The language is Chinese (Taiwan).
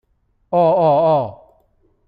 喔喔喔